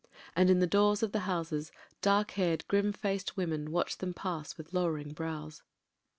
And in the doors of the houses dark haired, grim faced wcHnen watched them pass with lowering brows.